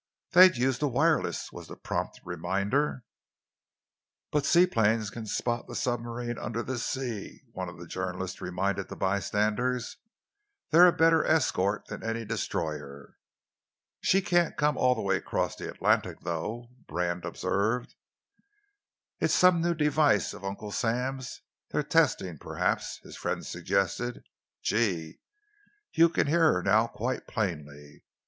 "They'd use the wireless," was the prompt reminder. "But seaplanes can spot the submarines under the sea," one of the journalists reminded the bystanders. "They're a better escort than any destroyer." "She can't come all the way across the Atlantic, though," Brand observed. "It's some new device of Uncle Sam's they are testing, perhaps," his friend suggested. "Gee! You can hear her now quite plainly.